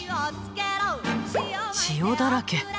塩だらけ！